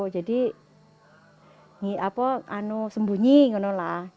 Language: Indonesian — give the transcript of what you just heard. jadi ini apa sembunyi gitu lah